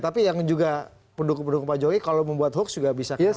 tapi yang juga pendukung pendukung pak jokowi kalau membuat hoax juga bisa